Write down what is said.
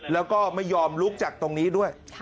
แล้วก็ไม่ยอมลุกจากตรงนี้ด้วย